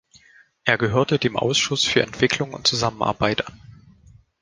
Er gehörte dem Ausschuss für Entwicklung und Zusammenarbeit an.